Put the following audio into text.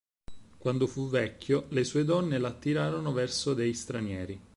Quando fu vecchio, le sue donne l'attirarono verso dei stranieri.